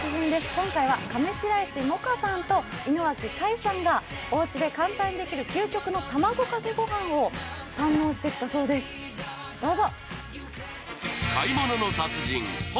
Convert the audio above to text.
今回は上白石萌歌さんと井之脇海さんがおうちで簡単にできる究極のたまごかけご飯を堪能してきたそうです、どうぞ。